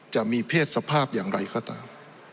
จะมีเพศสภาพอย่างไรก็ตาม